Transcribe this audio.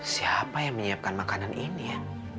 siapa yang menyiapkan makanan ini